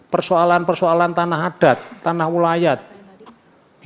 persoalan persoalan tanah adat tanah ulayat